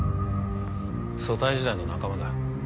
組対時代の仲間だ。